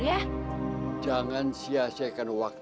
ya allah jangan subscribing walaupun satuhan saya